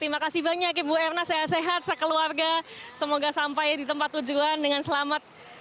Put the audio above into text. terima kasih banyak ibu erna sehat sehat sekeluarga semoga sampai di tempat tujuan dengan selamat